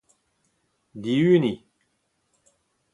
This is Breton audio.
dihuniñ